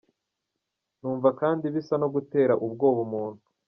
Numva kandi bisa no gutera ubwoba umuntu.